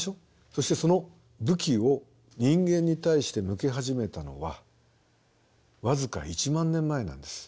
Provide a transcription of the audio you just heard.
そしてその武器を人間に対して向け始めたのは僅か１万年前なんです。